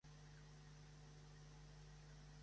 D'aquesta unió matrimonial no va tenir descendència.